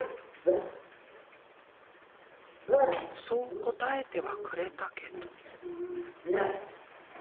そう答えてはくれたけど。